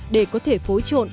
để có thể phối trộn